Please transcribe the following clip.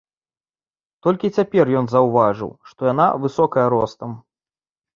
Толькі цяпер ён заўважыў, што яна высокая ростам.